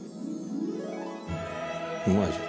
うまいじゃん。